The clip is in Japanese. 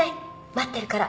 待ってるから。